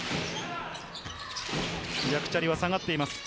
ヤクチャリは下がっています。